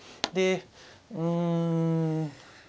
でうん。